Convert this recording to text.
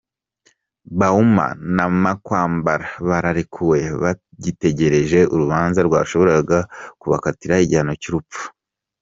Bauma na Makwambala barekuwe bagitegereje urubanza rwashoboraga kubakatira igihano cy’urupfu.